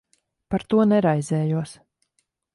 Par to neraizējos.